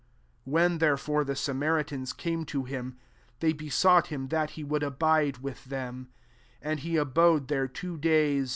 40 When, therefore, the Sa maritans came to him, they besought him that he would abide with them : and he abode there two days.